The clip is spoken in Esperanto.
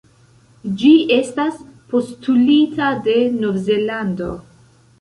Ĝi estas postulita de Novzelando.